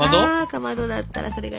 かまどだったらそれがいいな。